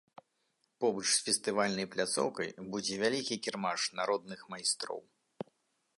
Побач з фестывальнай пляцоўкай будзе вялікі кірмаш народных майстроў.